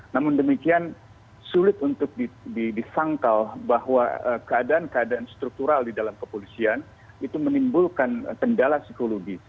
namun demikian sulit untuk disangkal bahwa keadaan keadaan struktural di dalam kepolisian itu menimbulkan kendala psikologis